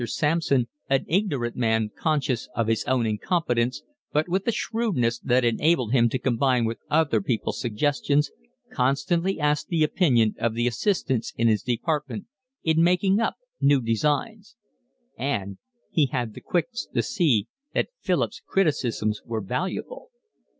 Sampson, an ignorant man conscious of his incompetence, but with a shrewdness that enabled him to combine other people's suggestions, constantly asked the opinion of the assistants in his department in making up new designs; and he had the quickness to see that Philip's criticisms were valuable.